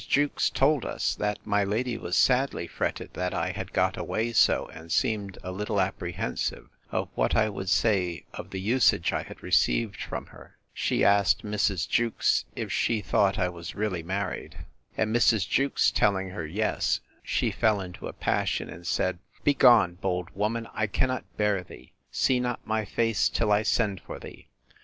Jewkes told us, That my lady was sadly fretted that I had got away so; and seemed a little apprehensive of what I would say of the usage I had received from her. She asked Mrs. Jewkes, if she thought I was really married? And Mrs. Jewkes telling her yes, she fell into a passion, and said, Begone, bold woman, I cannot bear thee! See not my face till I send for thee!